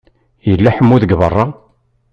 Yella ḥamu deg beṛṛa?